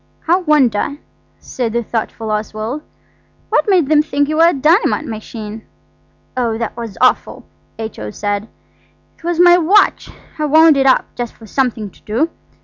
"I wonder," said the thoughtful Oswald, "what made them think you were a dynamite machine?" "Oh, that was awful!" H.O. said. "It was my watch. I wound it up, just for something to do.